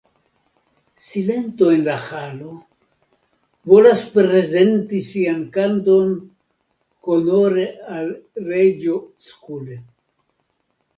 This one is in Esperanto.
Silento en la Halo; volas prezenti sian kanton honore al reĝo Skule.